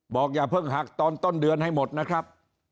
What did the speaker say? อย่าเพิ่งหักตอนต้นเดือนให้หมดนะครับ